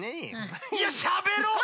いやしゃべろう！